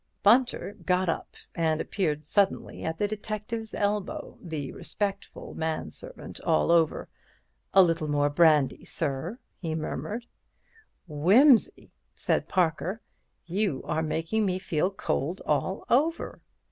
Bunter got up and appeared suddenly at the detective's elbow, the respectful man servant all over. "A little more brandy, sir?" he murmured. "Wimsey," said Parker, "you are making me feel cold all over."